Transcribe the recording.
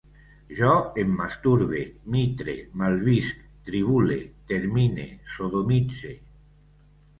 Jo em masturbe, mitre, malvisc, tribule, termine, sodomitze